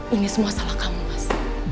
ini semua salah kamu mas